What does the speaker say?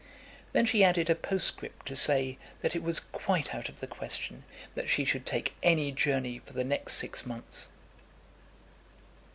Then she added a postscript to say that it was quite out of the question that she should take any journey for the next six months.